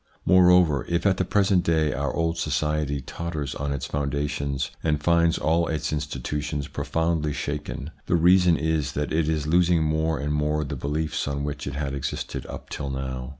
Moreover, if at the present day our old society totters on its foundations and finds all its institutions profoundly shaken, the reason is that it is losing more and more the beliefs on which it had existed up till now.